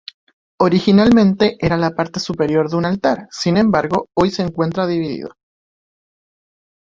Originalmente era la parte superior de un altar; sin embargo, hoy se encuentra dividido.